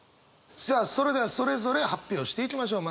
じゃあそれではそれぞれ発表していきましょう。